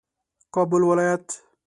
کابل ولایت